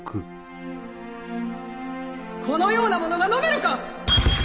このようなものが飲めるか！